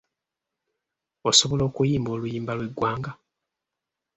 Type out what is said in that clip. Osobola okuyimba oluyimba lw'eggwanga?